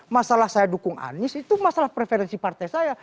masalah saya dukung anies itu masalah preferensi partai saya